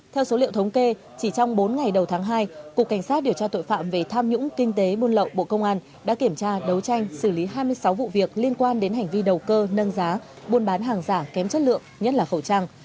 theo số liệu thống kê chỉ trong bốn ngày đầu tháng hai cục cảnh sát điều tra tội phạm về tham nhũng kinh tế buôn lậu bộ công an đã kiểm tra đấu tranh xử lý hai mươi sáu vụ việc liên quan đến hành vi đầu cơ nâng giá buôn bán hàng giả kém chất lượng nhất là khẩu trang